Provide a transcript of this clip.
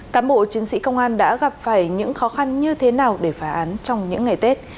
cán bộ chiến sĩ công an đã gặp phải những khó khăn như thế nào để phá án trong những ngày tết